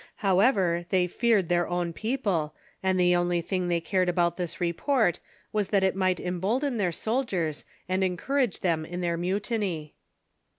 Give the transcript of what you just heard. However, they feared their own people, and the only thing they cared about this report was that it might embolden their soldiers and encourage them in their mutiny.